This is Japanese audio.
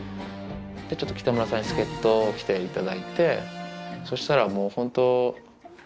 で北村さんに助っ人来ていただいてそしたらもうホント。